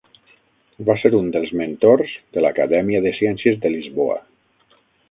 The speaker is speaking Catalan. Va ser un dels mentors de l'Acadèmia de ciències de Lisboa.